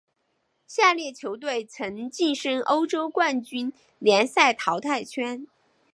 下列球队曾晋身欧洲冠军联赛淘汰圈。